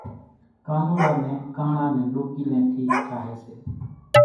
ڪانوڙا نين ڪانۿڙا نين ڏوڪيلين ٿي ٺاھي سي